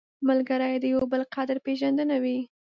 ملګری د یو بل قدر پېژندنه وي